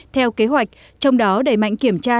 theo kế hoạch trong đó đẩy mạnh kiểm tra